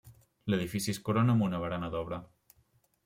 L'edifici es corona amb una barana d'obra.